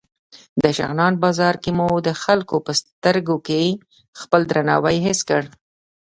د شغنان بازار کې مو د خلکو په سترګو کې خپل درناوی حس کړ.